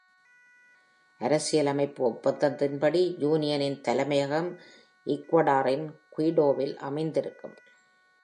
அரசியலமைப்பு ஒப்பந்தத்தின்படி, யூனியனின் தலைமையகம் ஈக்வடாரின் குயிடோவில் அமைந்திருக்கும்.